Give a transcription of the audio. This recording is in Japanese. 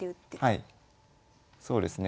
はいそうですね